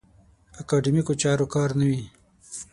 اکاډیمیکو چارو کار نه وي.